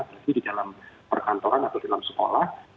tapi di dalam perkantoran atau dalam sekolah